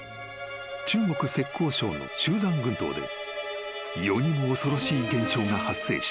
［中国浙江省の舟山群島で世にも恐ろしい現象が発生した］